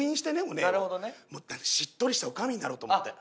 もうなんかしっとりしたおかみになろうと思って。